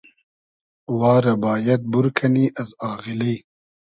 وا رۂ بایئد بور کئنی از آغیلی